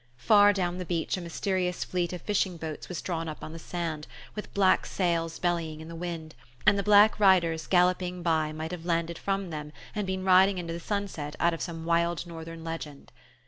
Far down the beach a mysterious fleet of fishing boats was drawn up on the sand, with black sails bellying in the wind; and the black riders galloping by might have landed from them, and been riding into the sunset out of some wild northern legend.